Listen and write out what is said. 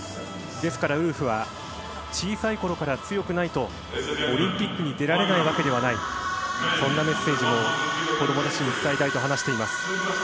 ですから、ウルフは小さいころから強くないとオリンピックに出られないわけではないそんなメッセージも子供たちに伝えたいと話しています。